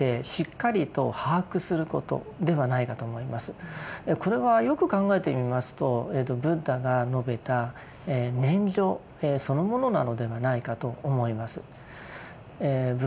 それはこれはよく考えてみますとブッダが述べた念処そのものなのではないかと思います。